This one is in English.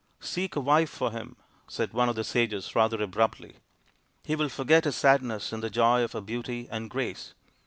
" Seek a wife for him," said one of the sages, rather abruptly ; "he will forget his sadness in the joy of her beauty and grace.